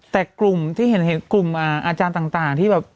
แต่กลุ่มที่เห็นกลุ่มอาจารย์ต่างที่แบบ